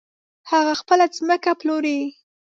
هغه خپله ځمکه پلوري .